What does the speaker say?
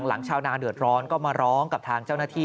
ชาวนาเดือดร้อนก็มาร้องกับทางเจ้าหน้าที่